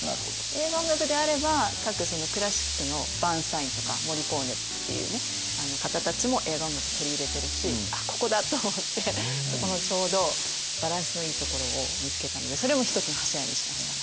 映画音楽であれば各クラシックのバーンスタインとかモリコーネっていう方たちも映画音楽取り入れてるしここだ！と思ってそこのちょうどバランスのいいところを見つけたのでそれも一つの柱にしました。